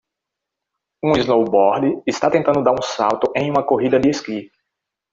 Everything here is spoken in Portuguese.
Um snowboarder está tentando dar um salto em uma corrida de esqui